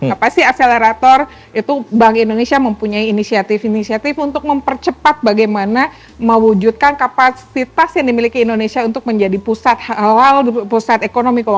apa sih akselerator itu bank indonesia mempunyai inisiatif inisiatif untuk mempercepat bagaimana mewujudkan kapasitas yang dimiliki indonesia untuk menjadi pusat halal pusat ekonomi keuangan